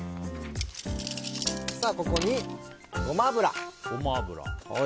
ここに、ゴマ油。